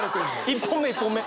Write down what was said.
１本目１本目！